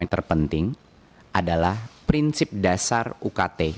yang paling penting adalah prinsip dasar ukt